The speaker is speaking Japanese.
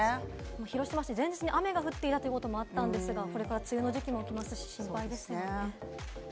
広島市、前日に雨が降っていたということもあったんですが、これから梅雨の時期もありますしね。